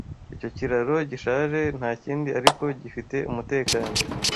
Icyo kiraro gishaje ntakindi ariko gifite umutekano.